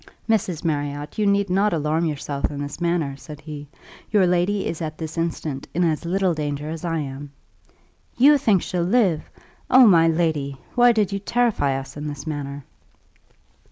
"Mrs. Marriott, you need not alarm yourself in this manner," said he: "your lady is at this instant in as little danger as I am." "You think she'll live! Oh, my lady! why did you terrify us in this manner?"